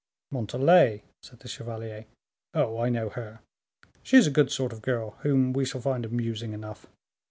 "Montalais?" said the chevalier, "oh, I know her; she is a good sort of girl, whom we shall find amusing enough.